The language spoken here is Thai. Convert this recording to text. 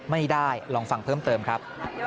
ไม่ได้ลองฟังเพิ่มเติมครับ